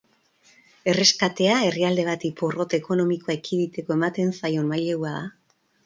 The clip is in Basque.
Erreskatea herrialde bati porrot ekonomikoa ekiditeko ematen zaion mailegua da.